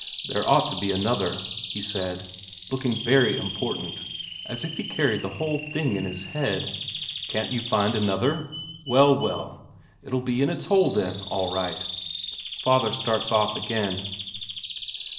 "There ought to be another," he said, looking very important, as if he carried the whole thing in his head. "Can't you find another? Well, well, it'll be in its hole then, all right." Father starts off again.